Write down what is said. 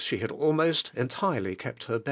she had almost entirely kept her bed.